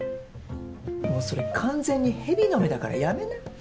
もうそれ完全に蛇の目だからやめな。